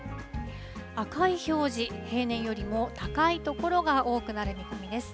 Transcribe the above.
赤い表示、平年よりも高い所が多くなる見込みです。